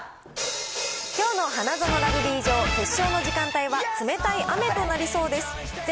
きょうの花園ラグビー場、決勝の時間帯は、冷たい雨となりそうです。